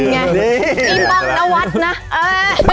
นี่ไงอิปปองนวัตนะ